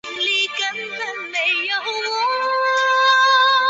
明俊是傅玉之子。